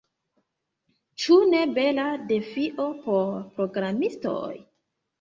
Ĉu ne bela defio por programistoj?